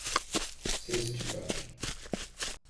Ses çıkar!